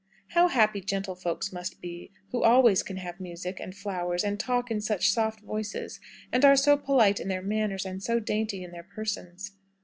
How happy gentlefolks must be, who always can have music, and flowers, and talk in such soft voices, and are so polite in their manners, and so dainty in their persons!